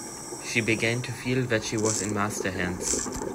She began to feel that she was in master-hands.